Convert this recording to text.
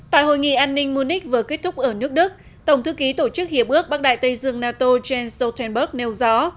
tại hội nghị an ninh munich vừa kết thúc ở nước đức tổng thư ký tổ chức hiệp ước bắc đại tây dương nato jens stoltenberg nêu rõ